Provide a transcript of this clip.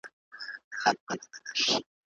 د زعفرانو بیه په نړیوال بازار پورې اړه لري.